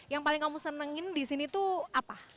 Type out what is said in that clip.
yang paling kamu senengin di sini tuh apa